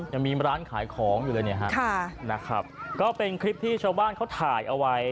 ยังมีร้านขายของอยู่เลยเนี่ยฮะค่ะนะครับก็เป็นคลิปที่ชาวบ้านเขาถ่ายเอาไว้